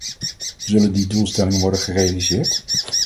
Zullen die doelstellingen worden gerealiseerd?